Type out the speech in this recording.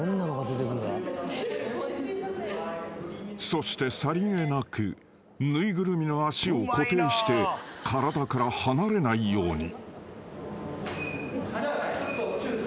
［そしてさりげなく縫いぐるみの足を固定して体から離れないように］